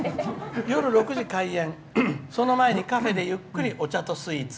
夜６時開演その前にカフェでゆっくりお茶とスイーツ。